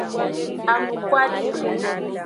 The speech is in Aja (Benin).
Anukwade.